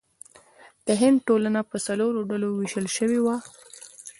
د هند ټولنه په څلورو ډلو ویشل شوې وه.